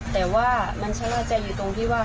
แต่ว่ามันชะล่าใจอยู่ตรงที่ว่า